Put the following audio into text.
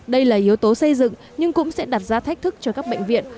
đây là yếu tố xây dựng nhưng cũng sẽ đặt ra thách thức cho các bệnh viện